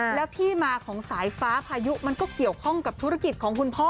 แล้วที่มาของสายฟ้าพายุมันก็เกี่ยวข้องกับธุรกิจของคุณพ่อ